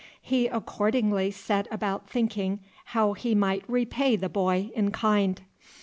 He accordingly set about thinking how he might repay the boy in kind.